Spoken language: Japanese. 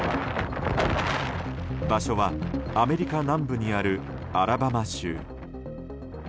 場所は、アメリカ南部にあるアラバマ州。